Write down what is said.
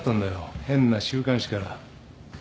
変な週刊誌から。